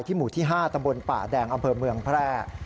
หมู่ที่๕ตำบลป่าแดงอำเภอเมืองแพร่